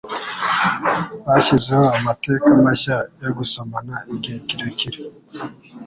Bashyizeho amateka mashya yo gusomana igihe kirekire.